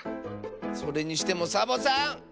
それにしてもサボさん！